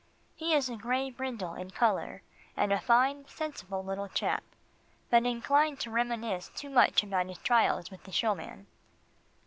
He is a grey brindle in colour, and a fine, sensible little chap, but inclined to reminisce too much about his trials with the showman.